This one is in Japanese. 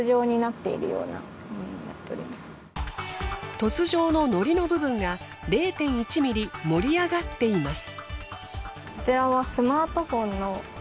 凸状の糊の部分が０．１ｍｍ盛り上がっています。